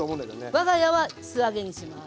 我が家は素揚げにします。